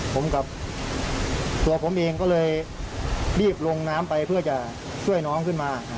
ผมกับตัวผมเองก็เลยรีบลงน้ำไปเพื่อจะช่วยน้องขึ้นมา